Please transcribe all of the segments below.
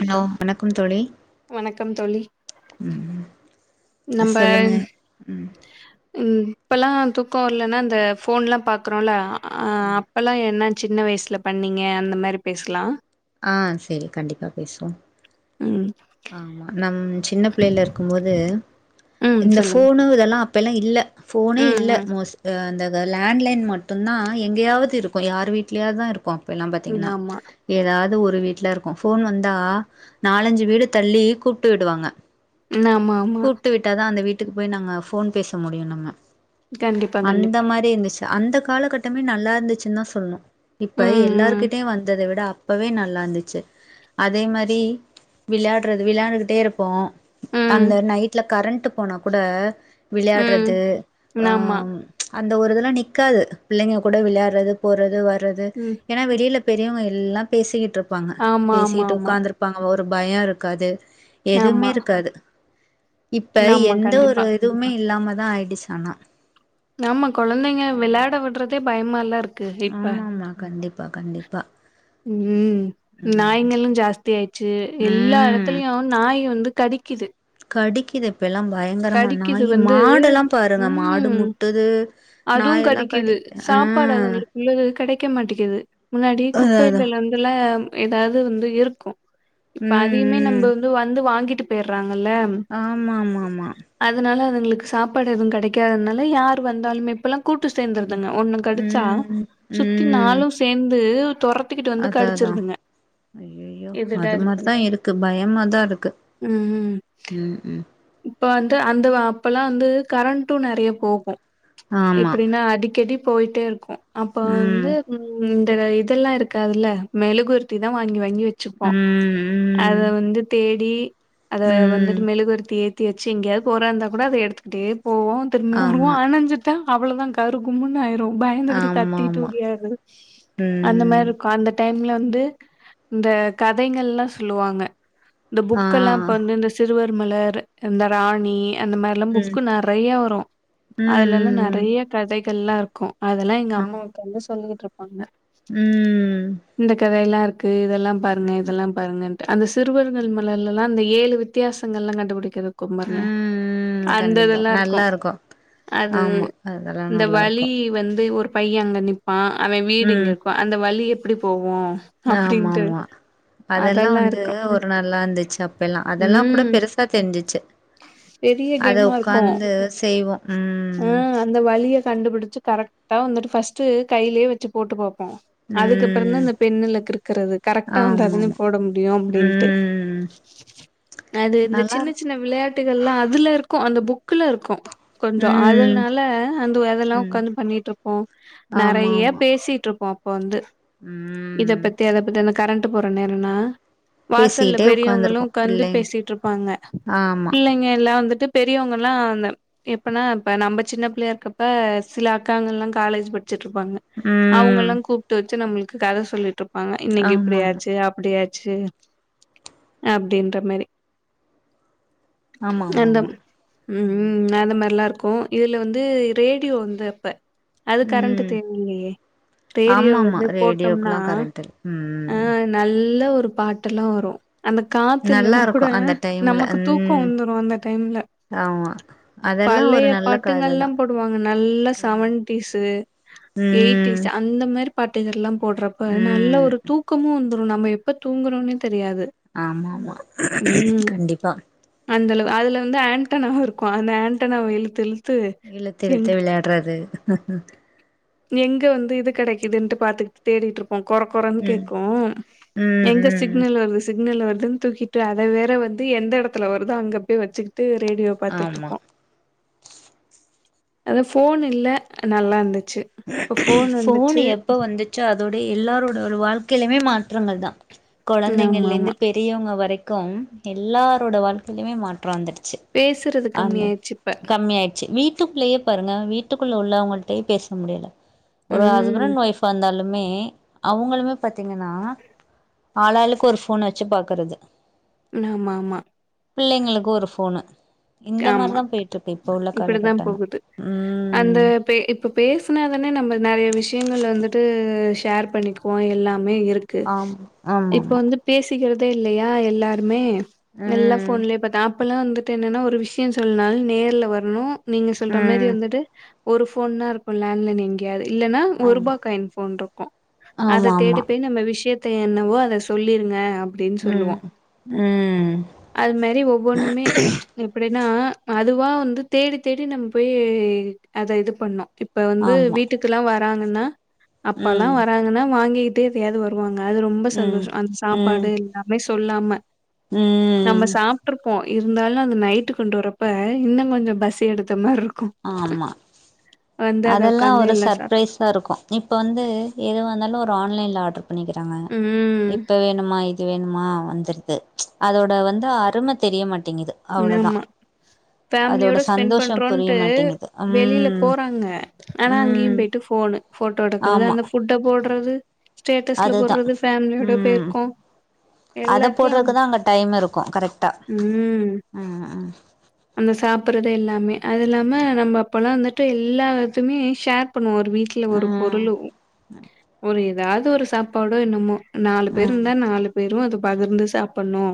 Hello வணக்கம் தோழி வணக்கம் தோழி ம் நம்ப சொல்லுங்க ம் இப்பெல்லா தூக்கோ வர்லன்னா இந்த போன்லா பாக்குறோல அ ஆமா அப்பெல்லா என்ன சின்ன வயசுல பண்ணீங்க அந்த மாரி பேசலா ஆ சேரி கண்டிப்பாக பேசுவோ ம் ஆமாம் நம் சின்ன பிள்ளையில இருக்கும்போது ம் இந்த சொல்லுங்க போனு இதெல்லா அப்பைல்லா இல்ல போனே ம் இல்ல ம் மோஸ் த அந்த லேண்ட்லைன் மட்டுந்தான் எங்கயாவது இருக்கு யார் வீட்லயாதா இருக்கு இப்பெல்லாம் ம் பாத்தீங்கன்னா ஆமா எதாவது ஒரு வீட்ல இருக்கு போன் வந்தா நாலஞ்சு வீடு தள்ளி கூப்ட்டு விடுவாங்க ஆமா ஆமா கூப்ட்டு விட்டாதா அந்த வீட்டுக்கு போய் நாங்க ஃபோன் பேச முடியு நம்ம கண்டிப்பா அந்த கண்டிப்பா மாரி இருந்துச்சு அந்த காலகட்டமே நல்லா இருந்துச்சுனுதா சொல்னு இப்ப ம் ம் எல்லார்கிட்டயு வந்ததை விட அப்பவே நல்லா இந்துச்சு அதே மாரி விளையாடுறது விளையாண்டுகிட்டே இருப்போ அந்த ம் நைட்ல கரண்ட்டு போனா கூட ம் விளையாடுறது ம், ஆமா அந்த ஒரு இதெல்லா நிக்காது பிள்ளைங்க கூட விளையாடுறது போறது வர்றது ம் ஏனா வெளில பெரியவங்க எல்லா பேசிகிட்டு இருப்பாங்க ஆமா ஆமா பேசிகிட்டு ஆமா உக்காந்துரு ப்பாங்க ஒரு பயோ இருக்காது எதுமே ஆமா இருக்காது இப்ப ஆமா எந்த கண்டிப்பா ஒரு இதுமே இல்லாமதா ஆயிடுச்சு ஆனா ஆமா கொழந்தைங்க வெளாட விடுறதே பயமால்ல இருக்கு இப்ப ஆமாமா கண்டிப்பா கண்டிப்பா ம் நாய்ங்களு ஜாஸ்தி ஆயிச்சு எல்லா ம் எடத்துலயு நாய்ங்க வந்து கடிக்குது கடிக்குது இப்ப எல்லா பயங்கரமா கடிக்குது நாயி வந்து மாடெல்லாம் பாருங்க மாடு முட்டுது அதுவும் நாயெல்லா கடிக்குது கடிக்கு ஆ சாப்பாடு அதுங்களுக்குள்ளது கெடைக்க மாட்டிகுது முன்னாடி அதா அதா குப்பைகள்லந்து எதாவது வந்து இருக்கு இப்ப ம் அதையுமே ம் நம்ம வந்து வாங்கிட்டு போய்ர்றாங்கல்ல ஆமாமாமா அதுனால அதுங்களுக்கு சாப்பாடு எதுவு கெடைக்காததுனால யாரு வந்தாலுமே இப்பெல்லா கூட்டு சேந்துருதுங்க ஒண்ணு கடிச்சா ம் சுத்தி ம் நாளு சேந்து தொற த்திகிட்டு வந்து கடிச்சிருதுங்க அய்ய்யோ இதுடா அது இது பண்ணு மாரிதா இருக்கு பயமாதா இருக்கு ம் ம் ம் இப்ப வந்து அந்த அப்பெல்லா வந்து கரண்ட்டு நெறயா போகு ஆமா எப்டினா அடிக்கடி போயிட்டே இருக்கு அப்ப வந்து ம் ம் இந்த இது இதெல்லா இருக்காதில்ல மெழுகுவர்த்திதா வாங்கி வாங்கி வெச்சுப்போ ம் அத ம் வந்து தேடி அத ம் வந்துட்டு மெழுகுவர்த்தி ஏ த்தி வெச்சு எங்கயாது போறதா இருந்தா கூட அத எடுத்துகிட்டே போவோ திரும்பி வருவோ ஆமா அனஞ்சி ட்டா அவ்ளதா கருகும்முன்னு ஆயிரு பயந்துகிட்டு கத்திட்டு ஆமாமா ஒடியாரது அந்த மாரி ம் இருக்கு அந்த டைம்ல வந்து இந்த கதைகங்கெல்லா சொல்லுவாங்க இந்த ஆ புக்கெல்லா இப்ப வந்து இந்த சிறுவர் மலர் இந்த ராணி அந்த மாதிரில்லா ம் புக்கு நெறயா வரு அதுலல்லா ம் நெறயா கதைகள்ல்லா இருக்கு அதெல்லா எங்க ம் அம்மா உக்காந்து சொல்லிகிட்டு இருப்பாங்க ம் இந்த கதையெல்லா இருக்கு இதெல்லாம் பாருங்க ம் இதெல்லாம் பாருங்கன்ட்டு அந்த சிறுவர்கள் மலர்ல எல்லா அந்த ஏழு வித்தியாசங்கள் எல்லா கண்டுபிடிக்கறது இருக்கும் பாருங்க ம் அந்த கண்டிப்பா இதெல்லா இருக்கு நல்லா அது ஆமா அதெல்லா இந்த நல்லா இருக்கு வலி வந்து ஒரு பையன் அங்க நிப்பான் அவன் வீடு இங்க இருக்கு அந்த வழி எப்டி போகு ஆமாமா அதெல்லா வந்து இருக்கு ஒரு நல்லா இந்துச்சு அப்பெல்லா அதெல்லா கூட ம் பெரு சா தெரிஞ்சுச்சு பெரிய அத கேமா இருக்கு உக்காந்து செய்வோ ஆ ம் அந்த வழிய கண்டுபிடிச்சு கரெக்ட்டா வந்துட்டு ஃபர்ஸ்ட் கைலயே வெச்சு போட்டு பாப்போ அதுக்கப்றந்தா ம் இந்த பெண்ணுல கிருக்கறது கரெக்ட்டா ஆமா வந்தாதானே ஆமா போட முடியு அப்டின்ட்டு ம் அது இந்த நல்லா சின்ன இருக்கு சின்ன வெளையாட்டுகள்ல்லா அதுல ருக்கு அந்த புக்குல இருக்கு கொஞ்சோ ம் அதனால அந்த ஒ அதெல்லா ம் ஒக்காந்து பண்ணிட்டு ருப்போ ஆமா நெறைய ஆமா பேசிட்டு ருப்போ அப்ப வந்து ம் இத பத்தி அத பத்தி அந்த கரண்ட் போற நேரோனா வாசல்ல பேசிக்கிட்டே பெரியவங்களு உக்காந்துருப்போ உக்காந்து பிள்ளைங் பேசிட்டு இருப்பாங்க ஆமா பிள்ளைங்க எல்லா வந்துட்டு பெரியவங்க எல்லா அந்த எப்பனா இப்ப நம்ம சின்ன பிள்ளையா இருக்கப்ப சில அக்காங்க ல்லா காலேஜ் படிச்சுட்டு ருப்பாங்க அ அவுங்க எல்லா கூப்டு வச்சு நம்மளுக்கு கத சொல்லிட்டு ருப்பாங்க இன்னைக்கி ஆமா இப்டியாச்சு அப்டியா ச்சு அப்டின்ற மாரி ஆமா ஆமா ஆமா அந்தம் ஆமா ம் அந்த மாரிலா ருக்கு இதுல வந்து ரேடியோ வந்து அப்ப அது கரண்ட்டு ம் தேவ இல்லேயே ரேடியோ ஆமா ஆமா வந்து போட்டோம்னா ரேடியோக்குல்லா கரண்ட் இல் ஆ ம் நல்ல ஒரு பாட்டு எல்லா வரு அந்த காத்து நல்லா இல்லனா இருக்கு கூட அந்த டைம்ல நமக்கு தூ க்கோ ம் வந்துரு அந்த டைம்ல ஆமா அதெல்லா ஒரு பழைய நல்ல பாட்டுங்க எல்லா கததா போடுவாங்க நல்லா ம் செவன்டிஸ்சு ம் அந்த மாரி பாட்டுகள்லா போடுறப்ப நல்ல ம் ஒரு தூக்கமு வந்துரு நம்ம எப்ப தூங்குறோனே தெரியாது ஆமா ஆமா ம் கண்டிப்பா அந்தளவு அதுல வந்து ஆண்டனாவு ருக்கு அந்த ஆண்டனாவ இலுத்து இலுத் இழுத்து இழுத்து வெளையாடுறது து எங்க வந்து இது கெடைக்குதுன்ட்டு பாத்துக்கிட் தேடிட்டு ருப் ப்போ கொற கொறனு ம் கேக்கு ம் எங்க ம் சிக்னல் வருது சிக்னல் வருதுனு தூக்கிட்டு அத வேற வந்து எந்த எடத்துல வருதோ அங்க போய் வச்சுக்கிட்டு ரேடியோ பாத்துட்டு ஆமா ருப்போ அதா ஃபோன் இல்ல நல்லா இருந்துச்சு இப்ப ஃபோன் வந்துச்சு எப்போ வந்து ச்சோ அதோட எல்லாரோட ஒரு வாழ்க்கையிலுமே மாற்றங்கள் தா கொழந்தைங்கள்ல இருந்து ஆமாமா. பெ பெரியவங்க வரைக்கு எல்லாரோட வாழ்க்கையிலேயுமே மாற்றவந்துரு ச்சு பேசுறது அந்த கம்மியாயிருச்சு இப்ப. கம்மி ஆயிடுச்சு வீட்டு குள்ளயேப் பாருங்க வீட்டுக்குள்ள உள்ளவங்கள்டே பேச முடியல ஒரு அது ம். ஹஸ்பண்ட் ஒய்ஃப் வ இருந்தாலுமே அவுங்களுமே பாத்தீங்கன்னா ஆளாளுக்கு ஒரு ஃபோன் வச்சு பாக்குறது ன ஆமா ஆமா பிள்ளைங்களுக்கு ஒரு ஃபோனு இந்த ஆமா. மாரிதா போய்ட்டு இருக்கு இப்ப உள்ள இப்படிதான் காலகட்டங்க உம் இப்போ பேசினா தான நம்ம நெறைய விஷயங்கள வந்துட்டு ஷேர் பண்ணிக்குவோ எல்லாமே இருக் கு ஆம் ஆமா இப்ப ஆமா வந்து பேசிக்கிறதே இல்லையா எல்லாருமே எல்லா ம் ஃபோன்லேயே பாத்த அப்பல்லா வந்துட்டு என்னன்னா ஒரு விஷ் விஷ்ய சொல்லனாலு நேர்ல வரணு நீங்க சொல்ற மாரி ம் வந்துட்டு ஒரு ஃபோன் லா இருக்கு லேண்ட் லைன் இன் யாது இல்லனா ஒருப்பா ஆமா காயின் ஃபோன் ருக்கு ஆமா அத ஆமா தேடிப்போய் நம்ம விஷயத் த என்னவோ அத சொல்லிருங்க அப்படின்னு ம் சொல்லுவோம். ம் அது மாரி ஒவ்வொன்னு மே அப்டின்னா அதுவா வந்து தேடி தேடி நம் போயி அத இது பண்ணோ இப்ப வந்து ஆமா வீட்டுக்கெல்லா வராங்கனா அப்பால்லா ம் வராங்கனா வாங்கிட் ட்டு எப்பயாது வருவாங்க அது ரொம்போ ம் சந்தோஷோ அந்த சாப்பாடு ம் எல்லாமே சொல்லாம ம் நம்ம சாப்ட்ருப்போ இருந்தாலு அந்த நைட்டு கொண்டு வரப்ப இன்னு கொஞ்சோ பசி எடுத்த மாரிருக்கு ஆமா அதெல்லா உக்காந்து ஒரு எல்லா சாப்ட்டு சர்ப்ரைஸ் சா ருக்கு இப்போ வந்து எதுவாந்தாலு ஒரு ஆன்லைன்ல ஆட்ரு பண்ணிக்கிறாங்க ம் இப்ப வேணுமா வேணுமா வந்துடுது அதோட வந்து அரும தெரியமாட்டேங்கிது ஆமா ஃபேம்லியோட ஸ்பெண் சந்தோஷம் புரிய பண்றோன்ட்டு டு மாட்டேங்குது வெளில ம் போறாங்க ஆனா அங்கேயும் ம் போயிட்டு ஃபோனு ஃபோட்டோ எடுக்கிறது ஆமா அந்த ஃபோட் டோ போட்றது ஸ்டேடஸ்ல அதுதா போட்றது ஃபேமிலியோட ம் போய்ருக்கோ அத போட்றத்க்குதா அங்க டைம் இருக்கு கரெக்டா ம் ம் ம் அந்த சாப்பிற்றது எல்லாமே அது இல்லாம நம்ப அப்பல்லா வந்துட்டு எல்லாத்துமே ஷேர் பண்ணு ஒரு வீட்ல ஒரு ம் பொருள் ஒரு எதாவ்து ஒரு சாப்பாடோ என்னமோ நாலு பேர் ம் இந்தா நாலு பேரு அது பகிர்ந்து சாப்பண்ணு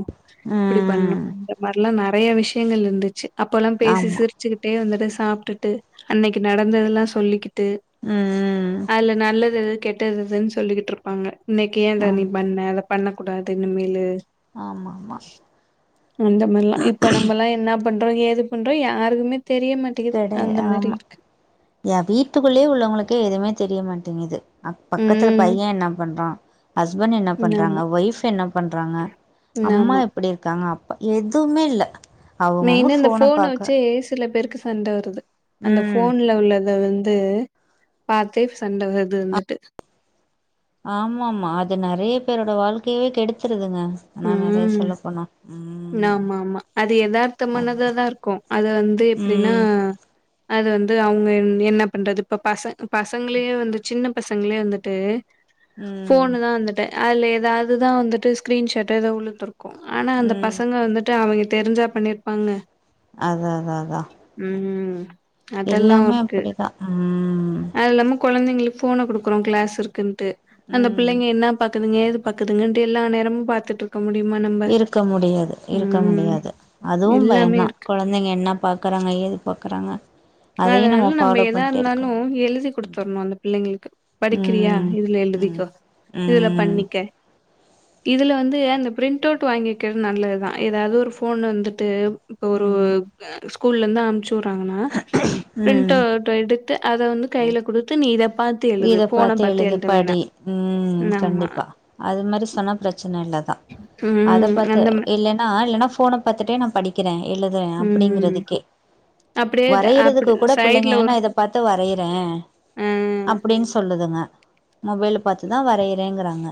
இப்பிடி பண்ணு ம் இந்த மார்ல்லா நெறய விஷ்யங்கள் இருந்துச்சு அப்பல்லாம் பேசி ஆமா சிரிச் சுக்கிட்டே வந்துட்டு சாப்ட்டுட்டு அன்னைக்கு நடந்ததெல்லா சொல்லிக்கிட் டு ம் அதுல நல்லது எது கெட்டது எதுன் சொல்லிக்கிட்ருப் ப்பாங்க இன்னைக்கி ஆ ஏன்த நீ பண்ண அத பண்ண கூடாது இனிமேலு ஆமா ஆமா அந்த மார்ல்லா இப்ப நம்பல்லா என்ன பண்றோ ஏது பண்றோ யாருக்குமே தெரிய மாட் கெட ஆமா ஏ வீட்டுக்குள்ளயே உள்ளவங்களுக்கே எதுவுமே தெரியமாட்டேங்குது அ பக்கத்துல ம் பைய என்ன பண்றா ஹஸ்பண் என்ன ஆமா பண்றாங்க ஒய்ஃப் என்ன பண்றாங்க அம்மா ஆமா எப்பிடி இருக்காங்க அப்பா எதுவுமே இல்ல அவங்கவுங்க மெயினா இந்த ஃபோன பாக்க வெச்சு சில பேருக்கு சண்ட வருது அந்த ம் ஃபோன்ல உள்ளத வந்து பாத்தே சண்ட வர்துனுட்டு ஆமா ஆமா அது நெறைய பேரோட வாழ்க்கையவே கெடுத்துருதுங்க ஆனா நெறய ம் சொல்ல போனா ம் ஆமா ஆமா அது எதார்த்தமானதாதா இருக்கு அது வந்து எப்டீனா ம் அது வந்து அவுங்க எ என்ன பண்றது இப்ப பச பசங்களயே வந்து சின்ன பசங்களே வந்துட்டு ம் ஃபோனு தா வந்துட்டு அதுல எதாவ்துதா வந்துட்டு ஸ்க்ரீன்ஷாட் டு எதா உள்ள இந்திருக்கு ஆனா அந்த ம் பசங்க வந்துட்டு அவங்க தெரிஞ்சா பண்ணிர்ப்பாங்க அதா அதா அதா ம் அதெல்லாவு எல்லாமே இருக்கு அப்டிதா ம் அதில்லாம கொழந்தைங்களுக்கு ஃபோன குடுக்குறோ க்ளாஸ் இருக்கின்ட்டு அந்த ம் பிள்ளைங்க என்ன பாக்குதுங்க ஏது பாக்குதுங்கண்டு எல்லா நேரமு பாத்துட் இருக்க முடியாது இருக்க ம் முடியாது அதுவு எல்லாமே பயந்தா இருக்கு கொழந்தைங்க என்ன பாக் கறாங்க ஏது பாக்கறாங்க அதனால நம்ம எதா இருந்தாலு முடியு எழுதி குடுத்துர்ணு அந்த பிள்ளைங்களுக்கு படிக்கிறியா ம் இதுல்ல எழு ம் திக்கோ இதுல ம் பண்ணிக்க இதுல வந்து இந்த ப்ரிண்ட் அவுட் வாங்கிக்கிறத் நல்லதுதா எதாது ஒரு ஃபோன் வந்துட்டு இப்ப ஒரு ம் ஸ்கூல்ல இந்து அம்ச்சி வுற்றாங்கன்னா ம் ப்ரின்டவ் டு எடுத்து அத வந்து கையில குடுத்து நீ இத பாத் இத பாத்து எழுது படி ம் ஆமா. கண்டிப்பா அதுமாரி சொன்னா பிரச்சன இல்லதா அத ம். பாத்து அந்த மா இல்லன்னா இல்லன்னா ஃபோன பாத்துட்டே நா படிக்கிறே எழுதுறே ம். அப்டிங்கிறதுக்கே அப்படியே த அப்படி வரையறதுக்கு கூட பிள்ளைங்க சைடுல நா ஒரு இத பாத்து வரையிறே அ அப்டின்னு சொல்லுதுங்க மொபைல பாத்து தா வரையிறேங்கிறாங்க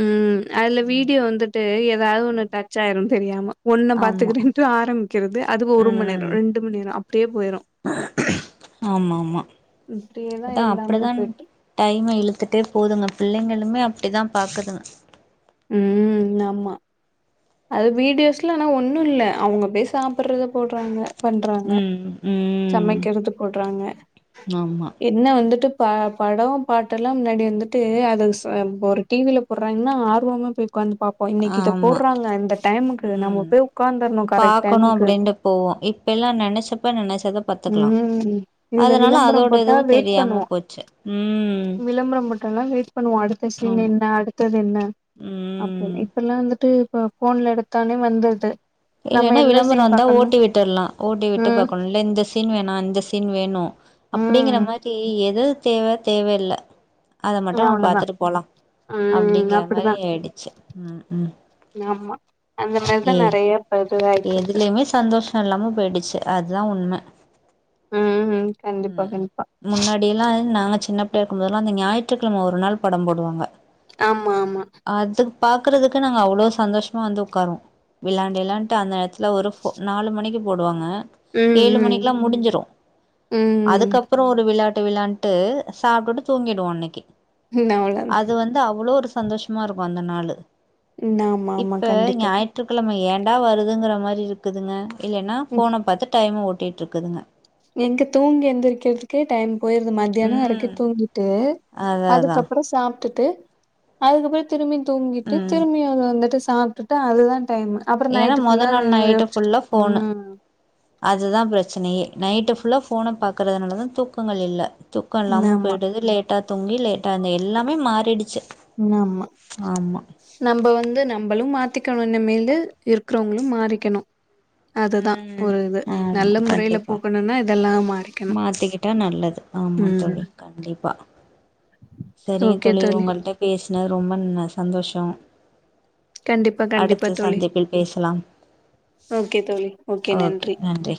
ம் அதுல வீடியோ வந்துட்டு ஏதாவது ஒண்ணு டச் ஆயிரு தெரியாம ஒன்னு ஆமா பாத்துக்கிறே ட்டு ஆரம்பிக்கிறது அதுவு ஒரு மண் நேர ம் ரெண்டு மணி நேர அப் ஆமா ஆமா இப்டியே தா அதா எல்லாமே அப்டிதா போய்ட்டு டைம இழுத்துட்டே போதுங்க பிள்ளைங்களுமே அப்டிதா பாக்குதுங்க ம் ஆமா அது வீடியோஸ்ல ஆனா ஒண்ணு இல்ல அவுங்க போய் சாப்பிடுறத போடுறாங்க பண்றாங்க ம் ம் சமைக்கிறத போடுறாங்க ஆமா என்ன வந்துட்டு ப படம் பாட்டு எல்லா முன்னாடி வந்துட்டு அது ஸ் ஒரு டிவில போடுறாங்கனா போமோபிப் உக்காந்து பாப்போ இன்னக்கு இத ஆமா போடுறாங்க இந்த டைமுக்கு நம்ம ம் போய் உக்காந்தர்ணு கரெக்ட் பாக்கணு டைமுக்கு அப்டின்ட்டு போவோ இப்ப எல்லா நெனச்சப்ப நெனச்சத பத்துக்கலா ம் இதுல அதனால அதோட இதுவு தெரியாம போச்சு ம் விளம்பர போட்டாலா வெயிட் பண்ணுவோ அடுத்த சீன் ஆமா என்ன அடுத்தது என்ன அப்போ ம் இப்ப எல்லா வந்துட்டு இப்ப ஃபோன்ல எடுத்தானே வந்துடுது இல்லன்னா விளம்பரம் வந்தா ஓட்டி விட்டுடலா ஓட்டி விட்டு ம் பாக்கணு இல்ல இந்த சீன் வேணா இந்த சீன் வேணு அப்டிங்கற ம் மாரி எது தேவ தேவயில்ல அத மட்டும் நம்ம அவ்ளோதான் பாத்துட்டு போலா ம் அப்டிங்கிற அப்டிதா மாரி ஆயிடுச்சு ம் ம் ஆமா அந்த மாரிதா ஏ நெறைய இப்ப இதுவாயிட்டு இருக்கு எதுலயுமே சந்தோஷ இல்லாம போயிடுச்சு அதுதா உண்ம ம் ம் கண்டிப்பா கண்டிப்பா முன்னாடி லா நா சின்னப் பிள்ளையா இருக்கும் போதெல்லா அந்த ஞாயிற்றுக்கிழம ஒரு நாள் படம் போடுவாங்க ஆமா ஆமா அது பாக்குறதுக்கு நாங்க அவ்ளோ சந்தோஷமா வந்து ஒக்காருவோ விளாண்டு கிளாண்டுட்டு அந்த இடத்து ல ஒரு ஃபோ நாலு மணிக்கு போடுவாங்க ம் ஏழு ம் மணிக்கு லா முடிஞ்சிரு ம் அதுக்கப்புற ஒரு விளாட்டு விளான்ட்டு சாப்டுட்டு தூங்கிடுவோ அன்னக்கி ஹும் அவ்ளோதா ந்து அவ்ளோ ஒரு சந்தோஷமா இருக்கு அந்த நாளு ம் ஆமா ஆமா இப்ப கண்டிப்பா ஞாயி ற்றுக்கிழம ஏண்டா வருதுங்கிற மாரி இருக்குதுங்க இல்லேனா ம் ஃபோன பத்து டைம ஓட்டிருக்குதுங்க எங்க தூங்கி எந்திரக்கிறதுக்கே டைம் போயிருது மதியான வரைக்கு ம் தூங்கிட்டு அதா அதா அதுக்கப்புற சாப்டுட்டு அதுக்கப்புற திரும்பி தூங்கிட்டு ம் திரும்பி வ வந்துட்டு சாப்டுட்டு அதுதா டைமு அப்புற ஏன்னா நைட்டு மொத ஃபுல்லா நாள் யோ நைட்டு யோசிட்டு ஃபுல்லா ஃபோனு ம் அதுதா பிரச்சனயே நைட்டு ஃபுல்லா ஃபோன பாக்கறதுனால தா தூக்கங்கள் இல்ல தூக்கம் ம் இல்லாம ஆமா போயிடுது லேட்டா தூங்கி லேட்டா இந்த எல்லாமே மாறிடுச்சு ஆமா ஆமா நம்ப வந்து நம்மளு மாத்திக்கணு இனிமேலு இருக்கிறவங்களு மாறிக்கணு அதுதா ம் ஒரு இது ஆமா நல்ல முறையில கண்டிப்பா போகணுனா இதெல்லா மாறிக்கணு மாத்திக்கிட்டா நல்லது ஆமா தோழி கண்டிப்பா சேரிங்க தோழி உங்கள்ட்ட பேசினது ரொம்ப ந சந்தோஷம் கண்டிப்பா கண்டிப்பா அடுத்த தோழி சந்திப்பில் பேசலா ஓகே நன்றி